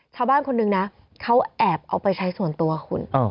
ชาวบ้านคนหนึ่งนะเขาแอบเอาไปใช้ส่วนตัวคุณ